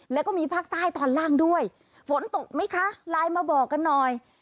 แล้วก็มีภาคใต้ตอนล่างด้วยฝนตกไหมคะไลน์มาบอกกันหน่อย